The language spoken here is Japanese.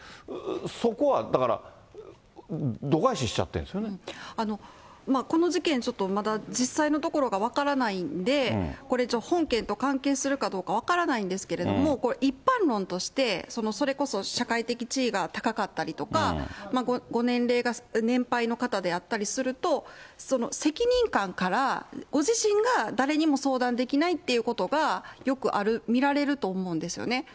そこはだから、この事件、ちょっとまだ実際のところが分からないんで、これ、本件と関係するかどうか分からないんですけれども、一般論として、それこそ社会的地位が高かったりとか、ご年齢が年配の方であったりすると、責任感からご自身が誰にも相談できないっていうことがよくある、見られると思うんですよね。